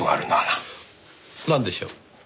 なんでしょう？